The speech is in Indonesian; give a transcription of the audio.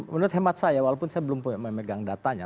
menurut hemat saya walaupun saya belum memegang datanya